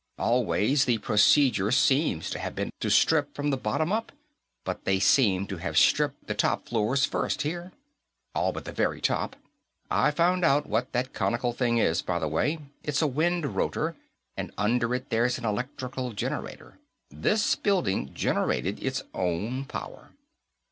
Always, the procedure seems to have been to strip from the bottom up, but they seem to have stripped the top floors first, here. All but the very top. I found out what that conical thing is, by the way. It's a wind rotor, and under it there's an electric generator. This building generated its own power."